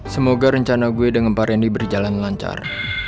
semoga rencana gue dengan pak randy berjalan lancar